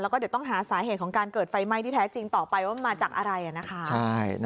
แล้วก็เดี๋ยวต้องหาสาเหตุของการเกิดไฟไหม้ที่แท้จริงต่อไปว่ามันมาจากอะไรนะคะ